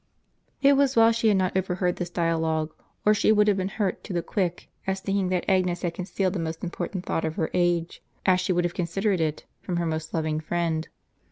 It was well she had not overheard this dialogue, or she would have been hurt to the quick, as thinking that Agnes had concealed the most important thought of her age, as she would have considered it, from her most loving friend.